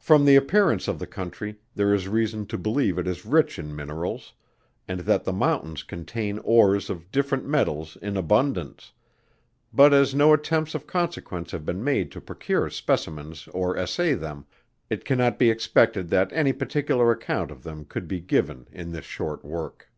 From the appearance of the country, there is reason to believe it is rich in minerals, and that the mountains contain ores of different metals in abundance; but as no attempts of consequence have been made to procure specimens or assay them, it cannot be expected that any particular account of them could be given in this short work.